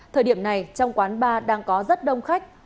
thời điểm này trong quán bar đang có rất đông khách